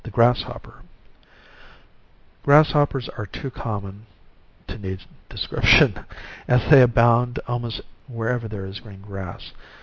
8 GRASSHOPPER Grasshoppers are too common to need description, as they abound almost wherever there is green grass.